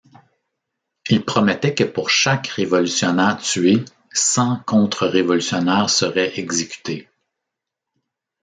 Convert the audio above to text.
Il promettait que pour chaque révolutionnaire tué, cent contre-révolutionnaires seraient exécutés.